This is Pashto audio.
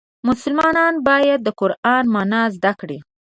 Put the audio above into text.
مسلمان باید د قرآن معنا زده کړي.